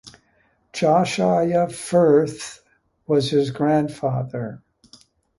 Josiah Firth was his grandfather.